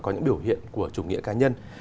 có những biểu hiện của chủ nghĩa cá nhân